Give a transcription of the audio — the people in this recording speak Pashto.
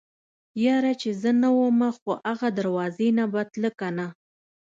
يره چې زه نه ومه خو اغه دروازې نه به تله کنه.